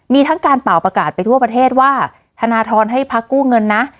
มีทั้งการเป่าประกาศไปทั่วประเทศว่าธนทรให้พักกู้เงินนะ